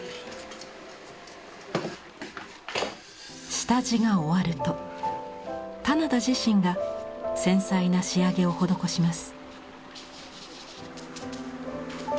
下地が終わると棚田自身が繊細な仕上げを施します。